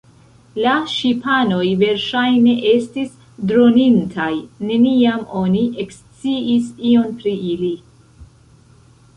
La ŝipanoj verŝajne estis dronintaj, neniam oni eksciis ion pri ili.